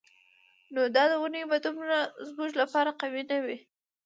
نو دا اونۍ به دومره زموږ لپاره قوي نه وي.